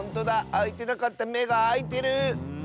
あいてなかっためがあいてる！